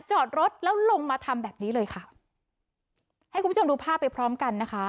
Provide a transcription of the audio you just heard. จอดรถแล้วลงมาทำแบบนี้เลยค่ะให้คุณผู้ชมดูภาพไปพร้อมกันนะคะ